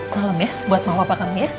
salam ya buat mama papa kami ya